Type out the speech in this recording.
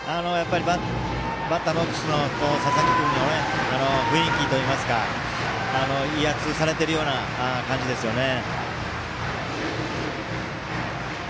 バッターボックスの佐々木君の雰囲気といいますか威圧されてるような感じですね。